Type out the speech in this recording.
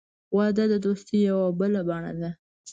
• واده د دوستۍ یوه بله بڼه ده.